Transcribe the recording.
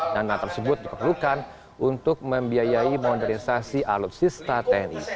dan hal tersebut diperlukan untuk membiayai modernisasi alutsista tni